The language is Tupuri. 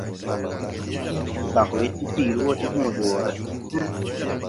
Bag we ti fiiri wo ti hõõ de woore.